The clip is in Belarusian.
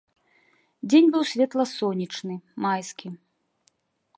Дзень быў светла-сонечны, майскі.